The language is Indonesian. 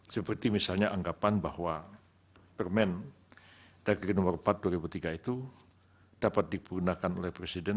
seperti misalnya anggapan bahwa permendagari no empat tahun dua ribu dua puluh tiga itu dapat digunakan oleh presiden